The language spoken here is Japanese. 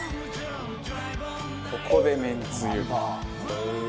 ここでめんつゆ。